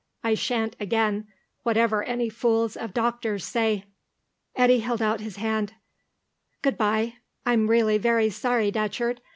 I shan't again, whatever any fools of doctors say." Eddy held out his hand. "Goodbye. I'm really very sorry, Datcherd.